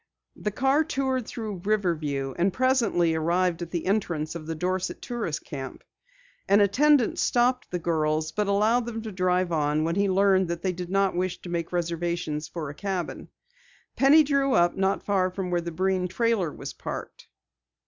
The car toured through Riverview and presently arrived at the entrance of the Dorset Tourist Camp. An attendant stopped the girls, but allowed them to drive on when he learned that they did not wish to make reservations for a cabin. Penny drew up not far from where the Breen trailer was parked.